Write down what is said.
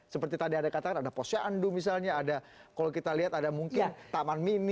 seperti tadi ada katakan ada posyandu misalnya ada kalau kita lihat ada mungkin taman mini